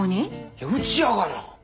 いやうちやがな。